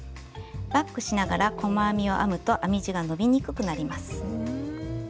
バックしながら細編みを編むと編み地が伸びにくくなります。